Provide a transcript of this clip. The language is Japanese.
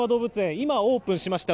今、オープンしました。